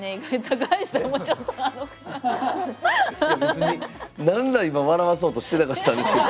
なんも今笑わそうとしてなかったんですけど。